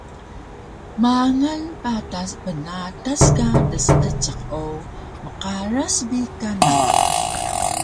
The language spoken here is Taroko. Mangal patas bnatas ka dseejiq o mqaras bi kana